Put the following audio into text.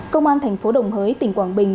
công an thành phố đồng hới tỉnh quảng bình